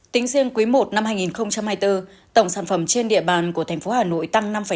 tính riêng quý i năm hai nghìn hai mươi bốn tổng sản phẩm trên địa bàn của thành phố hà nội tăng năm ba